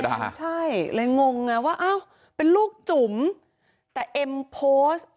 ใช่เลยงงไงว่าอ้าวเป็นลูกจุ๋มแต่เอ็มโพสต์